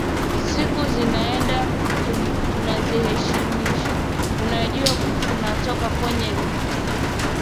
siku zinaenda tunazihesimisha unajua kunatoka kwenye vita